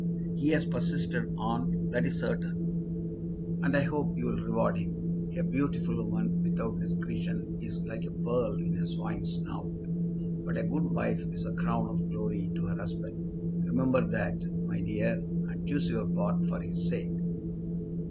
"He has persisted, aunt; that is certain." "And I hope you'll reward him. A beautiful woman without discretion is like a pearl in a swine's snout; but a good wife is a crown of glory to her husband. Remember that, my dear, and choose your part for his sake."